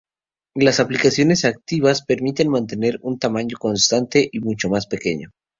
Las aplicaciones activas permiten mantener un tamaño constante y mucho más pequeño.